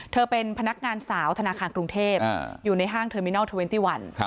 เป็นพนักงานสาวธนาคารกรุงเทพอยู่ในห้างเทอร์มินอลเทอร์เวนตี้วัน